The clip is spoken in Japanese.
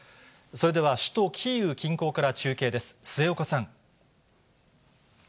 それでは、首都キーウ近郊から中継です、末岡さん。